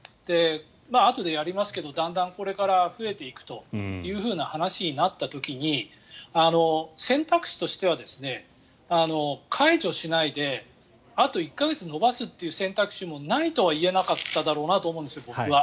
あとでやりますけどだんだんこれから増えていくという話になった時に選択肢としては、解除しないであと１か月延ばすっていう選択肢もないとは言えなかっただろうなと僕は思うんですよ。